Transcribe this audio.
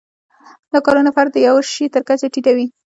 دا کارونه فرد د یوه شي تر کچې ټیټوي.